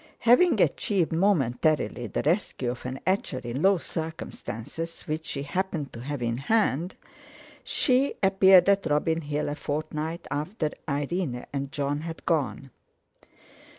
Having achieved—momentarily—the rescue of an etcher in low circumstances, which she happened to have in hand, she appeared at Robin Hill a fortnight after Irene and Jon had gone.